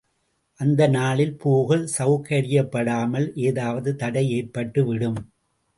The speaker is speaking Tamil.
அந்த நாளில் போக செளகரியப்படாமல் ஏதாவது தடை ஏற்பட்டுவிடும்.